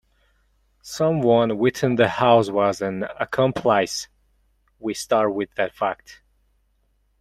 Some one within the house was an accomplice — we start with that fact.